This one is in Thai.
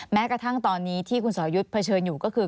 แม้กระทั่งตอนนี้ที่คุณสรยุทธ์เผชิญอยู่ก็คือ